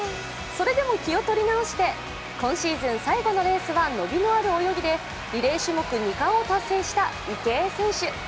それでも気を取り直して今シーズン最後のレースは伸びのある泳ぎでリレー種目２冠を達成した池江選手。